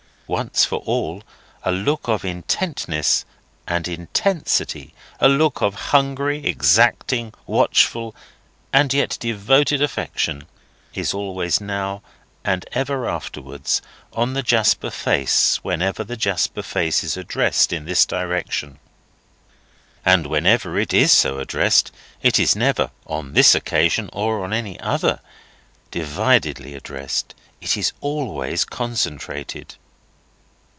Once for all, a look of intentness and intensity—a look of hungry, exacting, watchful, and yet devoted affection—is always, now and ever afterwards, on the Jasper face whenever the Jasper face is addressed in this direction. And whenever it is so addressed, it is never, on this occasion or on any other, dividedly addressed; it is always concentrated.